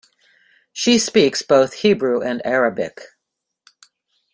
She speaks both Hebrew and Arabic.